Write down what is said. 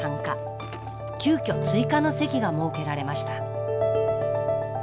急きょ追加の席が設けられました。